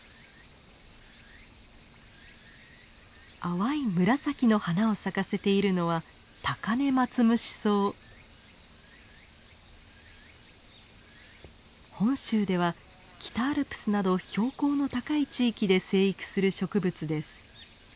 淡い紫の花を咲かせているのは本州では北アルプスなど標高の高い地域で生育する植物です。